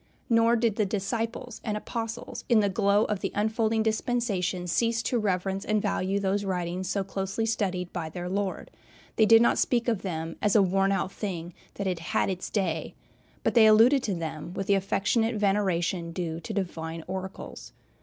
Nor did the disciples and Apostles in the glow of the unfolding dispensation cease to reverence and value those writings so closely studied by their Lord. They did not speak of them as a worn out thing, that had "had its day," but they alluded to them with the affectionate veneration due to divine oracles.